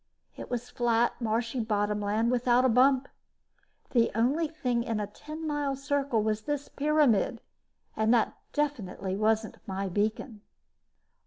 It was flat, marshy bottom land without a bump. The only thing in a ten mile circle was this pyramid and that definitely wasn't my beacon.